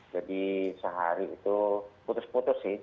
jadi sehari itu putus putus sih